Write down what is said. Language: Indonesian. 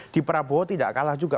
di prabowo tidak kalah juga